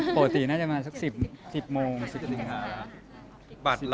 ฝากด้วยด้วยล่ะกันครับทรอบดู